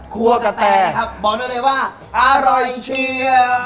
ครัวกะแต้ครับบอกด้วยเลยว่าอร่อยเชียม